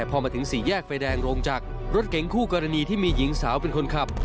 พอมาถึงสี่แยกไฟแดงลงจากรถเก๋งคู่กรณีที่มีหญิงสาวเป็นคนขับ